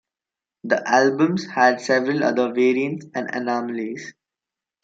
The albums had several other variants and anomalies.